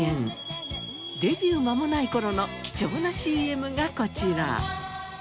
デビュー間もない頃の貴重なＣＭがこちら。